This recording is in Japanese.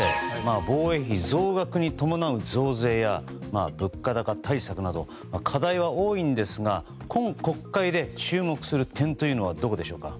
防衛費増額に伴う増税や物価高対策など課題は多いんですが今国会で注目する点はどこでしょうか。